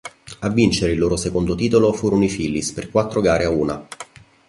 A vincere il loro secondo titolo furono i Phillies per quattro gare a una.